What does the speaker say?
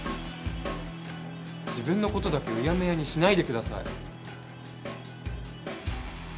自分のことだけうやむやにしないでください